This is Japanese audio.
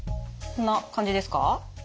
こんな感じですか？